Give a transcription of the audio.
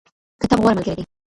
کتاب غوره ملګری دی.